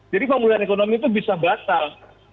jadi pemulihan ekonomi itu bisa batal